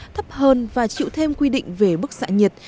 thấp hơn và chịu thêm quy định về bức xạ nhiệt